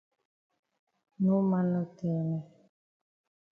No man no tell me.